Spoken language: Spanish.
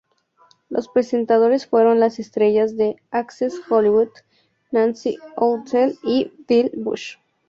Los presentadores fueron las estrellas de "Access Hollywood" Nancy O'Dell y Billy Bush.